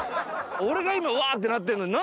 俺が今わってなってんのに。